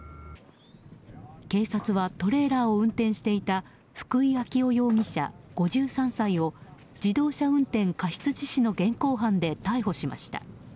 警察はトレーラーを運転していた福井暁生容疑者、５３歳を自動車運転過失致死の現行犯で逮捕しました。